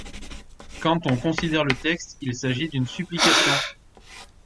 Quand on considère le texte, il s’agit d’une supplication.